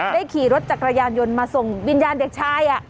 ได้ขี่รถจากรยานยนต์มาส่งบีญญานเด็กชายอะ